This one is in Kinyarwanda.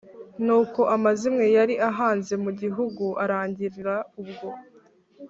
nuko amazimwe yari ahanze mu gihugu arangira ubwo;